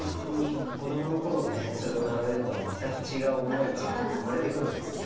何か子どもの頃ねそれを並べるのとは全く違う思いが生まれてくるんですね。